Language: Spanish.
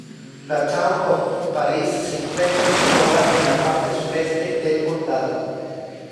La Town of Paris se encuentra situada en la parte Sureste del condado.